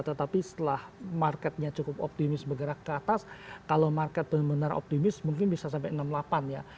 tetapi setelah marketnya cukup optimis bergerak ke atas kalau market benar benar optimis mungkin bisa sampai enam puluh delapan ya